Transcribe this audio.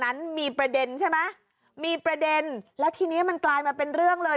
นั้นมีประเด็นใช่ไหมมีประเด็นแล้วทีนี้มันกลายมาเป็นเรื่องเลย